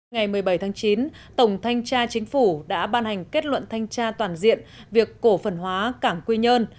ngày một mươi bảy tháng chín tổng thanh tra chính phủ đã ban hành kết luận thanh tra toàn diện việc cổ phần hóa cảng quy nhơn